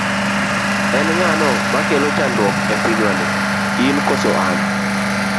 En ng'ano ma kelo chandruok ne pinywani in koso an?